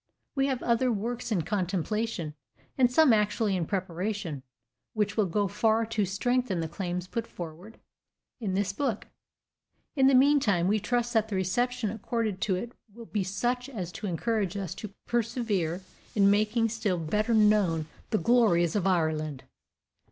We have other works in contemplation, and some actually in preparation, which will go far to strengthen the claims put forward in this book. In the meantime, we trust that the reception accorded to it will be such as to encourage us to persevere in making still better known the Glories of Ireland.